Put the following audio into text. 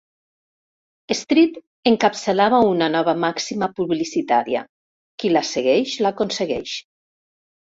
"Street" encapçalava una nova màxima publicitària: "Qui la segueix l'aconsegueix".